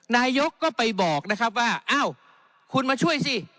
นายกก็ไปบอกนะครับว่าอ้าวคุณมาช่วยสิ